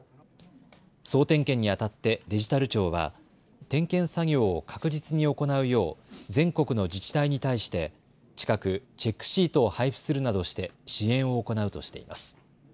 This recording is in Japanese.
総点検にあたってデジタル庁は点検作業を確実に行うよう全国の自治体に対して近くチェックシートを配布するなどして支援を行うとしています。